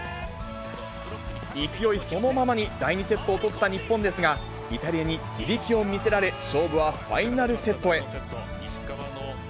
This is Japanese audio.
勢いそのままに第２セットを取った日本ですが、イタリアに地力を見せられ、勝負はファイナルセットへ。